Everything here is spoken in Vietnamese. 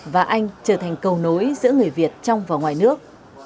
và anh trở thành cầu nối giữa người việt trong và ngoài nước